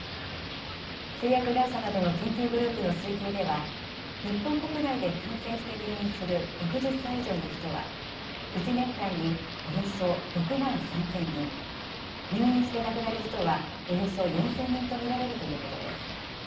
製薬会社などの研究グループの推計では、日本国内で感染して入院する６０歳以上の人は、１年間におよそ６万３０００人、入院して亡くなる人はおよそ４０００人と見られるということです。